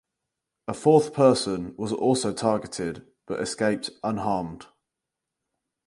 A fourth person was also targeted but escaped unharmed.